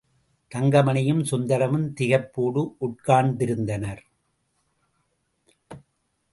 தங்கமணியும் சுந்தரமும் திகைப்போடு உட்கார்ந்திருந்தனர்.